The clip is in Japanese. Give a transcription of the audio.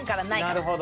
なるほど。